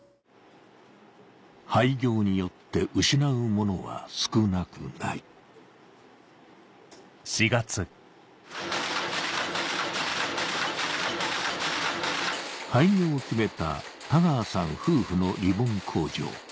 廃業によって失うものは少なくない廃業を決めた田川さん夫婦のリボン工場